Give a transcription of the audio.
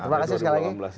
terima kasih sekali lagi